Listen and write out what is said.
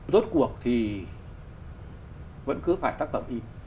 rốt cuộc thì vẫn cứ phải tác phẩm in